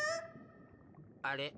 あれ？